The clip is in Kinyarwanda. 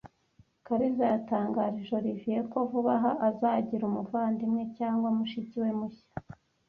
Kariza yatangarije Oliver ko vuba aha azagira umuvandimwe cyangwa mushiki we mushya.